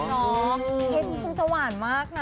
เนาะเพลงนี้คงจะหวานมากนะ